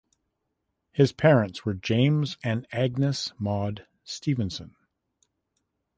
His parents were James and Agnes Maud Stephenson.